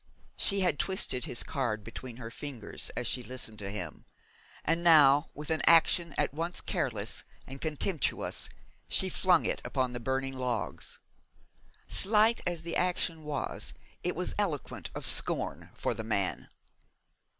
She had twisted his card between her fingers as she listened to him, and now, with an action at once careless and contemptuous, she flung it upon the burning logs. Slight as the action was it was eloquent of scorn for the man.